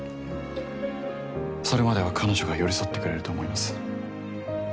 それまでは彼女が寄り添ってくれると思います。